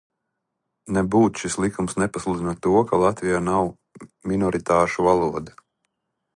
Nebūt šis likums nepasludina to, ka Latvijā nav minoritāšu valodu.